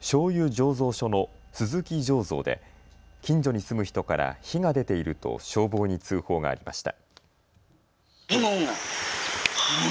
醸造所の鈴木醸造で近所に住む人から火が出ていると消防に通報がありました。